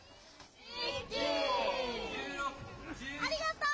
ありがとう。